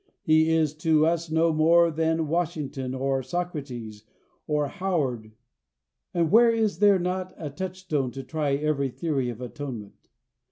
He is to us no more than Washington or Socrates, or Howard. And where is there not a touchstone to try every theory of atonement?